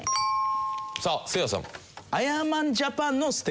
さあせいやさん。